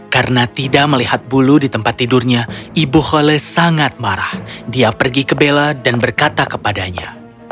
karena tidak melihat bulu di tempat tidurnya ibu hole sangat marah dia pergi ke bella dan berkata kepadanya